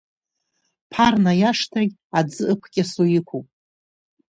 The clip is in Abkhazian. Ԥарна иашҭагь аӡы ықәкьасо иқәуп.